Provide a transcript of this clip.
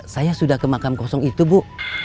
saya sudah ke makam kosong itu bu